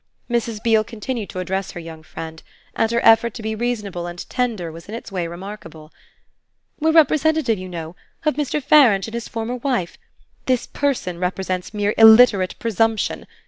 Mrs. Beale continued to address her young friend, and her effort to be reasonable and tender was in its way remarkable. "We're representative, you know, of Mr. Farange and his former wife. This person represents mere illiterate presumption.